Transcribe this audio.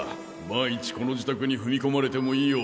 万一この自宅に踏み込まれてもいいよ